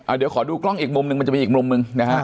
เดี๋ยวขอดูกล้องอีกมุมนึงมันจะมีอีกมุมหนึ่งนะฮะ